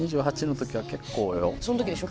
「そのときでしょ？